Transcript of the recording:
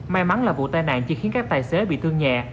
may mắn là vụ tai nạn chỉ khiến các tài xế bị thương nhẹ